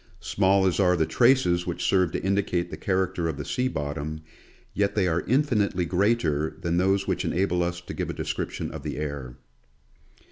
Small as are the traces which serve to indicate the character of the sea bottom, yet they are infinitely greater than those which enable us to give a description of the air.